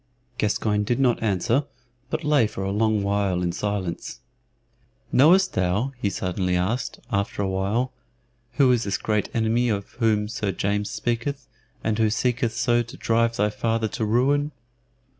Gascoyne did not answer, but lay for a long while in silence. "Knowest thou," he suddenly asked, after a while, "who is this great enemy of whom Sir James speaketh, and who seeketh so to drive thy father to ruin?"